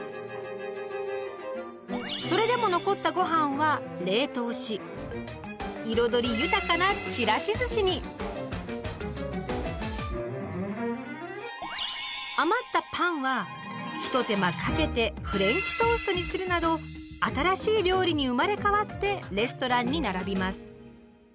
それでも残ったごはんは冷凍し彩り豊かなひと手間かけてフレンチトーストにするなど新しい料理に生まれ変わってレストランに並びます。